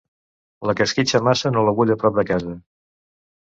La que esquitxa massa no la vull a prop de casa.